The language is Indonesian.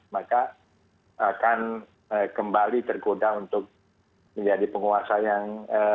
maka akan kembali tergoda untuk menjadi penguasa yang